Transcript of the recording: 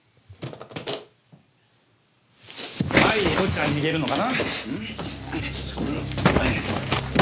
はいどちらに逃げるのかな？